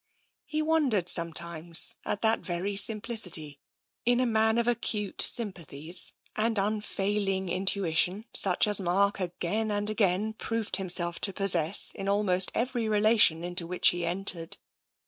He wondered, sometimes, at that very simplicity, in a man of acute sympathies and unfailing intuition such as Mark again and again proved himself to possess in almost every relation into which he entered.